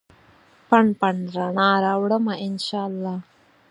پنډ ، پنډ رڼا راوړمه ا ن شا الله